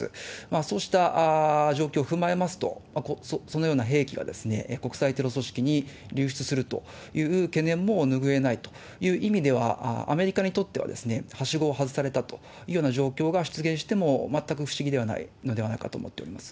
そうした状況も踏まえますと、そのような兵器が国際テロ組織に流出するという懸念も拭えないという意味では、アメリカにとってははしごを外されたというような状況が出現しても、全く不思議ではないのではないかと思っております。